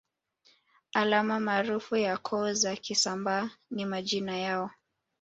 Alama maarufu ya koo za Kisambaa ni majina yoa